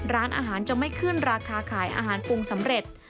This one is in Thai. ร้านอาหารจะไม่ขึ้นราคาขายอาหารปรุงสำเร็จ